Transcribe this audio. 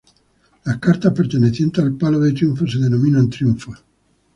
Las cartas pertenecientes al palo de triunfo se denominan triunfos.